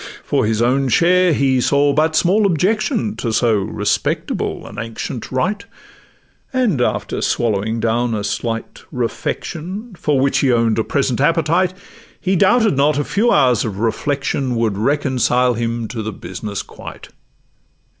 'For his own share—he saw but small objection To so respectable an ancient rite; And, after swallowing down a slight refection, For which he own'd a present appetite, He doubted not a few hours of reflection Would reconcile him to the business quite.